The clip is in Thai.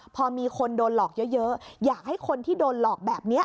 พอมีคนโดนหลอกเยอะอยากให้คนที่โดนหลอกแบบนี้